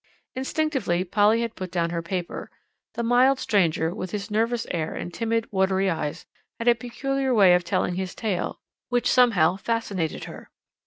Instinctively Polly had put down her paper; the mild stranger, with his nervous air and timid, watery eyes, had a peculiar way of telling his tale, which somehow fascinated her.